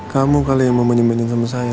kamu kali yang mau manja manjain sama saya